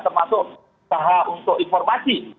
termasuk usaha untuk informasi